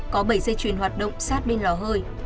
có bảy dây chuyền hoạt động sát bên lò hơi